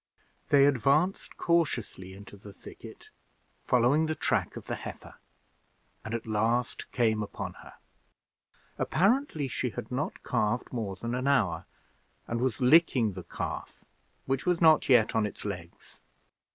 They advanced cautiously into the thicket, following the track of the heifer, and at last came upon her. Apparently she had not calved more than an hour, and was licking the calf, which was not yet on its legs.